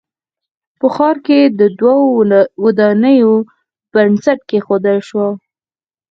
په ښار کښې د دوو ودانیو بنسټ کېښودل شو